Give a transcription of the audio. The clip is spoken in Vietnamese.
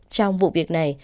trong vụ việc này